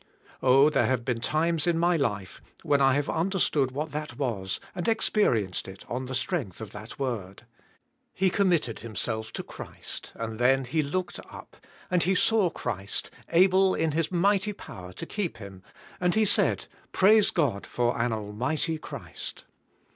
Oh, there have been times in my life when I have understood what that was and experienced it on the strength of that word. He committed himself to Christ and then he looked up and he saw Christ, able, in His mighty power, to keep him and he said, ' 'Praise God for an Almighty Christ."